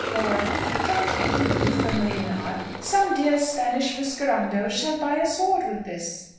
or, "Thank you!" (with a familiar nod) "some dear Spanish whiskerandos shall buy a sword with this!"